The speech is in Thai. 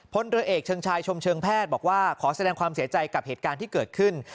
เรือเอกเชิงชายชมเชิงแพทย์บอกว่าขอแสดงความเสียใจกับเหตุการณ์ที่เกิดขึ้น